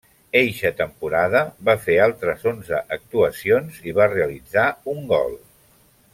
Eixa temporada va fer altres onze actuacions i va realitzar un gol.